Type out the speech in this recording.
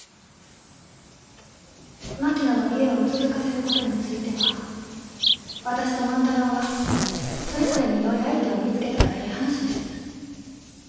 槙野の家を続かせることについては私と万太郎がそれぞれによい相手を見つけたらえい話です。